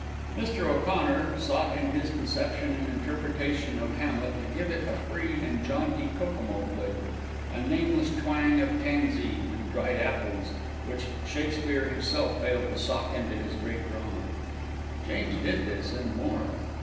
Mr. O'Connor sought in his conception and interpretation of Hamlet to give it a free and jaunty Kokomo flavor a nameless twang of tansy and dried apples, which Shakespeare himself failed to sock into his great drama. James did this, and more.